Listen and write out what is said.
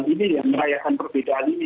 ini yang merayakan perbedaan ini